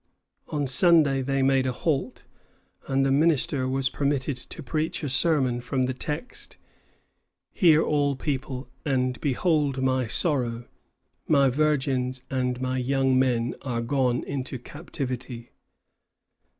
On Sunday they made a halt, and the minister was permitted to preach a sermon from the text, "Hear, all people, and behold my sorrow: my virgins and my young men are gone into captivity."